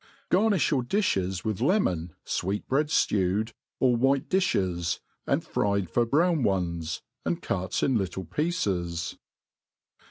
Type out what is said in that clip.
Gai; ni(b jrour difhes'with lemon^ fweet*breads fiewed, or white difhes^ and fried for brown pnes^ and cut in little pieces.